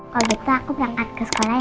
kalau gitu aku berangkat ke sekolah